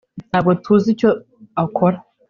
ntabwo tuzi icyo akora